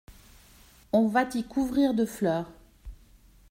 On va t'y couvrir de fleurs.